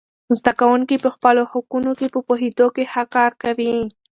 زده کوونکي د خپلو حقونو په پوهیدو کې ښه کار کوي.